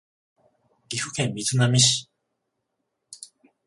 岐阜県瑞浪市